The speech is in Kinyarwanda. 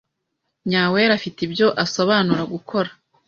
Nyawera afite ibyo asobanura gukora.